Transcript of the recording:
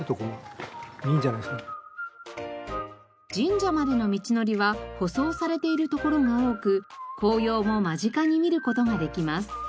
神社までの道のりは舗装されているところが多く紅葉も間近に見る事ができます。